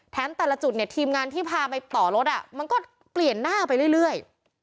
แต่ละจุดเนี่ยทีมงานที่พาไปต่อรถมันก็เปลี่ยนหน้าไปเรื่อย